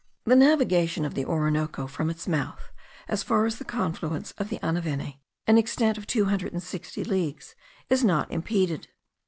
The navigation of the Orinoco from its mouth as far as the confluence of the Anaveni, an extent of 260 leagues, is not impeded.